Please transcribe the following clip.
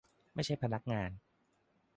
ไม่ใช่พนักงาน